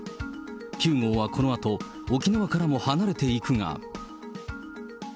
９号はこのあと、沖縄からも離れていくが。